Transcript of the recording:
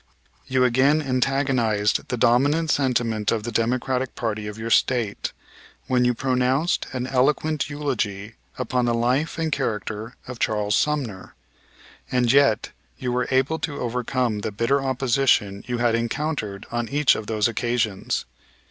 "You again antagonized the dominant sentiment of the Democratic party of your State when you pronounced an eloquent eulogy upon the life and character of Charles Sumner. And yet you were able to overcome the bitter opposition you had encountered on each of those occasions.